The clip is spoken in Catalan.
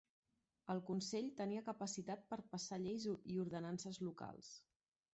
El Consell tenia capacitat per passar lleis i ordenances locals.